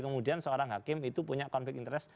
kemudian seorang hakim itu punya konflik interest